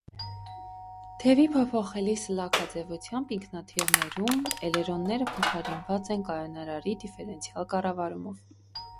Թևի փոփոխելի սլաքաձևությամբ ինքնաթիռներում էլերոնները փոխարինված են կայունարարի դիֆերենցիալ կառավարումով։